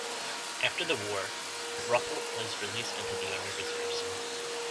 After the war, Ruppelt was released into the Army reserves.